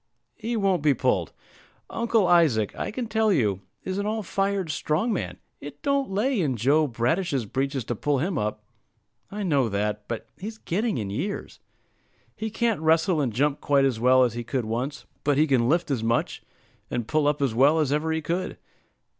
"He won't be pulled. Uncle Isaac, I can tell you, is an all fired strong man; it don't lay in Joe Bradish's breeches to pull him up." "I know that; but he's getting in years." "He can't wrestle and jump quite as well as he could once; but he can lift as much, and pull up as well, as ever he could.